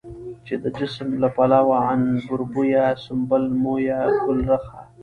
چې د جسم له پلوه عنبربويه، سنبل مويه، ګلرخه،